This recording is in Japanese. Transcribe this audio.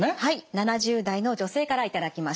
７０代の女性から頂きました。